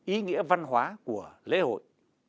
ý nghĩa văn hóa của lễ hội